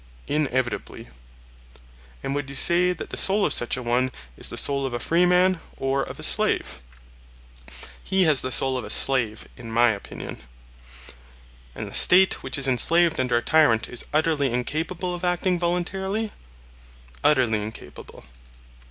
Inevitably. And would you say that the soul of such an one is the soul of a freeman, or of a slave? He has the soul of a slave, in my opinion. And the State which is enslaved under a tyrant is utterly incapable of acting voluntarily? Utterly incapable.